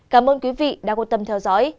cảm ơn quý vị đã quan tâm theo dõi